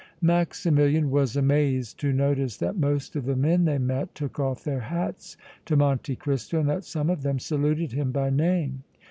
Maximilian was amazed to notice that most of the men they met took off their hats to Monte Cristo and that some of them saluted him by name.